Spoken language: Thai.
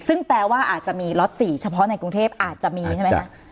ซึ่งแปลว่าอาจจะมีล็อต๔เฉพาะในกรุงเทพอาจจะมีใช่ไหมคะ